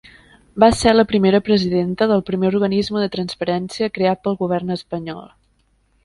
Va ser la primera presidenta del primer organisme de transparència creat pel Govern espanyol.